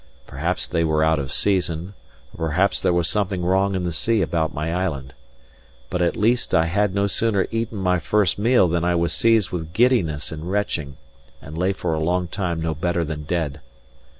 Perhaps they were out of season, or perhaps there was something wrong in the sea about my island. But at least I had no sooner eaten my first meal than I was seized with giddiness and retching, and lay for a long time no better than dead.